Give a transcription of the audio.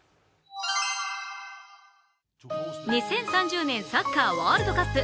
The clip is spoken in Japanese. ２０３０年サッカーワールドカップ。